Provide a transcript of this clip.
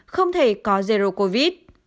không thể có zero covid